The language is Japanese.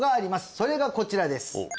それがこちらです